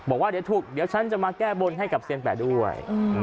บอกว่าเดี๋ยวถูกเดี๋ยวฉันจะมาแก้บนให้กับเซียนแปะด้วย